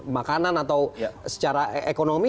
makanan atau secara ekonomi